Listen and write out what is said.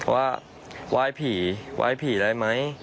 ว่าไหว้ผีไหว้ผีได้ไหม